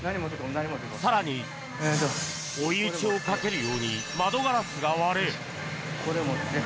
更に、追い打ちをかけるように窓ガラスが割れ。